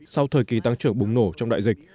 sau thời kỳ tăng trưởng bùng nổ trong đại dịch